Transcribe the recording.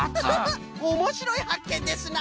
おもしろいはっけんですな！